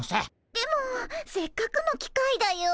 でもせっかくの機会だよ。